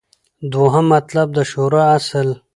دوهم مطلب : د شورا اصل